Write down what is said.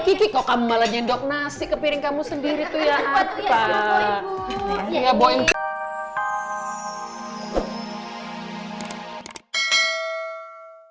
kiki kok kamu malah nyendok nasi ke piring kamu sendiri tuh ya